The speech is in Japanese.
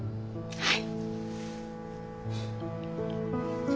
はい。